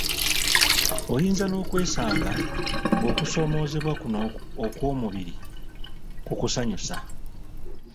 Oyinza n'okwesanga ng'okusoomoozebwa kuno okw'omubiri kukusanyusa.